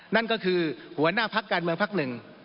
นั่นก็คือหัวหน้าภักการเมืองภักรณ์๑